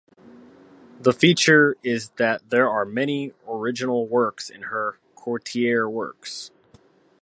The feature is that there are many original works in her coterie works.